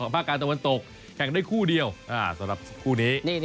ภาคกลางตะวันตกแข่งได้คู่เดียวสำหรับคู่นี้